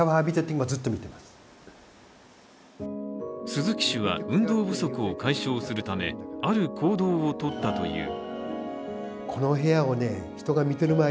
鈴木氏は運動不足を解消するためある行動をとったという。